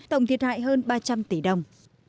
tổng thiệt hại hơn ba trăm linh tỷ đồng